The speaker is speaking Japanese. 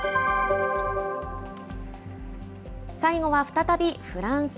最後は再びフランス。